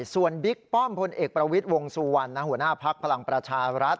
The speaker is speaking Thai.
ส่วนบิ๊กป้อมพลเอกประวิทย์วงสุวรรณหัวหน้าภักดิ์พลังประชารัฐ